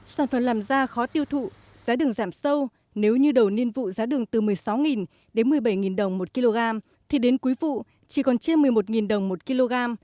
sản phẩm làm ra khó tiêu thụ giá đường giảm sâu nếu như đầu niên vụ giá đường từ một mươi sáu đến một mươi bảy đồng một kg thì đến cuối vụ chỉ còn trên một mươi một đồng một kg